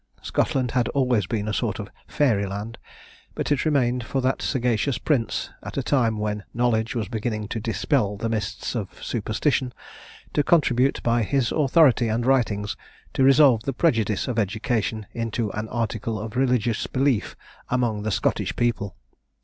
Scotland had always been a sort of fairy land; but it remained for that sagacious prince, at a time when knowledge was beginning to dispel the mists of superstition, to contribute, by his authority and writings, to resolve a prejudice of education into an article of religious belief amongst the Scottish people.